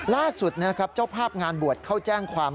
ล่าสุดนะครับเจ้าภาพงานบวชเข้าแจ้งความ